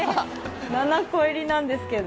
７個入りなんですけど。